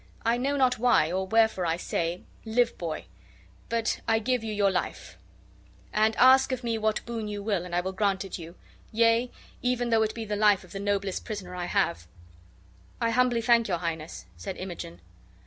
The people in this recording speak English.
I know not why or wherefore I say, live, boy, but I give you your life; and ask of me what boon you will and I will grant it you. Yea, even though it be the life of the noblest prisoner I have." "I humbly thank your Highness," said Imogen.